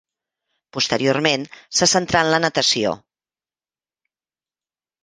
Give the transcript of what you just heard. Posteriorment se centrà en la natació.